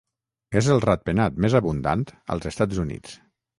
És el ratpenat més abundant als Estats Units.